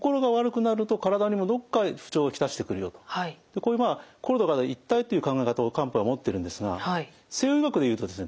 これまあ心と体一体という考え方を漢方は持ってるんですが西洋医学でいうとですね